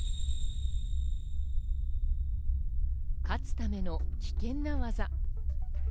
勝つための危険な技。